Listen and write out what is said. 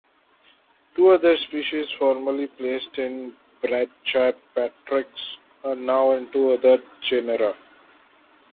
Two other species, formerly placed in Brachypteryx, are now in two other genera.